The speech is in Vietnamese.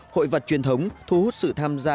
hội vật truyền thống thu hút sự tham gia